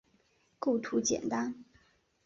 构图简单